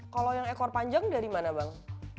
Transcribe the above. kalau yang ekor panjang dari mana bang